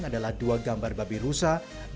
adalah dua gambar babi rusa